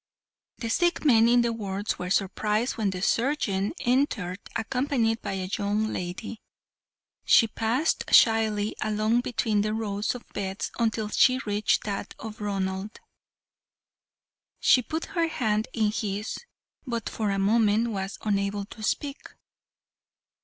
The sick men in the wards were surprised when the surgeon entered, accompanied by a young lady. She passed shyly along between the rows of beds until she reached that of Ronald. She put her hand in his, but for a moment was unable to speak.